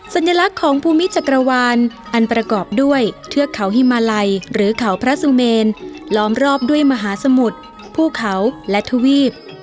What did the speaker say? สัญลักษณ์ของภูมิจักรวาลอันประกอบด้วยเทือกเขาฮิมาลัยหรือเขาพระสุเมนล้อมรอบด้วยมหาสมุทรภูเขาและทวีป